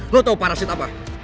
lo tau parasit apa